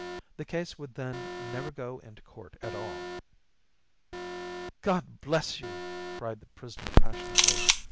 The case would then never go into court at all." "God bless you!" cried the prisoner passionately.